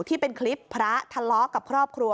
ที่เป็นคลิปพระทะเลาะกับครอบครัว